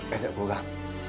em sẽ cố gắng